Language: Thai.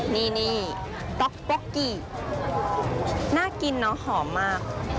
นี่ต๊อกป๊อกกี้น่ากินเนอะหอมมาก